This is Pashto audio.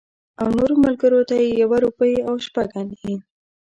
او نورو ملګرو ته یې یوه روپۍ او شپږ انې.